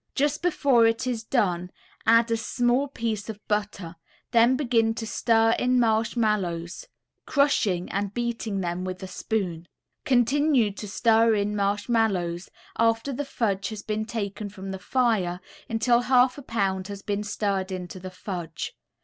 Just before it is done add a small piece of butter, then begin to stir in marshmallows, crushing and beating them with a spoon. Continue to stir in marshmallows, after the fudge has been taken from the fire, until half a pound has been stirred into the fudge.